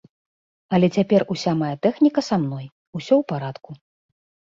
Але цяпер уся мая тэхніка са мной, усё ў парадку.